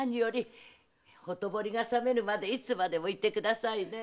ほとぼりが冷めるまでいつまでもいてくださいね。